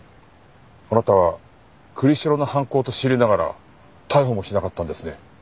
あなたは栗城の犯行と知りながら逮捕もしなかったんですね。